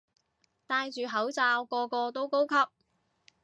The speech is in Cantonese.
戴住口罩個個都高級